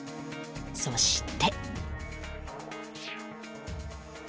そして。